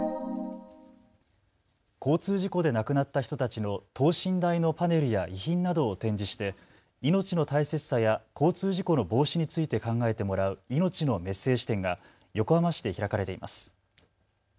交通事故で亡くなった人たちの等身大のパネルや遺品などを展示して命の大切さや交通事故の防止について考えてもらう生命のメッセージ展が横浜市で開かれています。